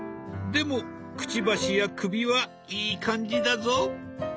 でもくちばしや首はいい感じだぞ。